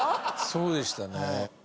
そうでしたね。